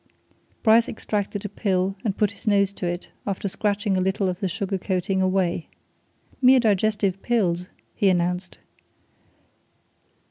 Bryce extracted a pill and put his nose to it, after scratching a little of the sugar coating away. "Mere digestive pills," he announced.